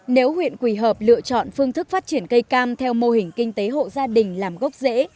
nếu huyện quỳ hợp lựa chọn phương thức phát triển cây cam theo mô hình kinh tế hộ gia đình làm gốc rễ